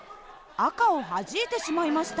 赤をはじいてしまいました。